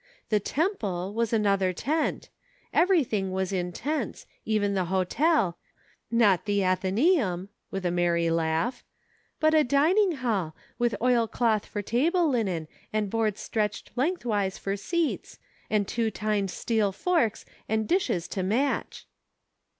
The ' temple' was another tent — everything was in tents ; even the hotel, not the 'athenaeum,'" — with a merry laugh, — "but a dining hall, with oil cloth for table linen and boards stretched lengthwise for seats, and two tined steel forks and dishes to match."